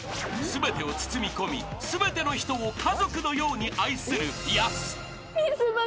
［全てを包み込み全ての人を家族のように愛するヤス］